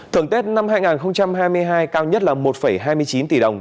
thưởng tết năm hai nghìn hai mươi hai cao nhất là một hai mươi chín tỷ đồng